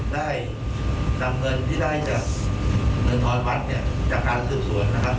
ได้นำเงินที่ได้จากเงินทอนวัดเนี่ยจากการสืบสวนนะครับ